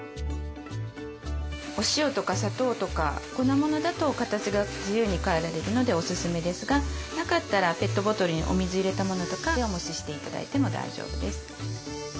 お塩とか砂糖とか粉ものだと形が自由に変えられるのでおすすめですがなかったらペットボトルにお水入れたものとかでおもしして頂いても大丈夫です。